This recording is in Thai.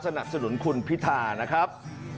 สนับสนุนคุณพิธานะครับ